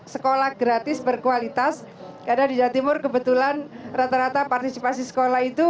sekolah gratis berkualitas karena di jawa timur kebetulan rata rata partisipasi sekolah itu